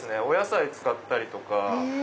お野菜使ったりとか。